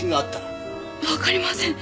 わかりません。